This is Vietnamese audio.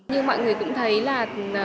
như mọi người cũng thấy là